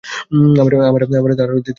আমার আরো আগেই তোমাকে এটা দেওয়া উচিত ছিল।